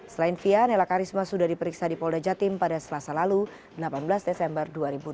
selain fia nela karisma sudah diperiksa di polda jatim pada selasa lalu delapan belas desember dua ribu dua puluh